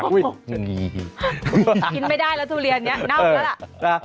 กินไม่ได้แล้วทุเรียนนี้เน่าแล้วล่ะ